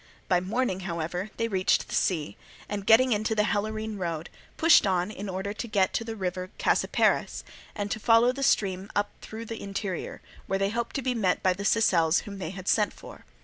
By morning, however, they reached the sea, and getting into the Helorine road, pushed on in order to reach the river Cacyparis, and to follow the stream up through the interior, where they hoped to be met by the Sicels whom they had sent for.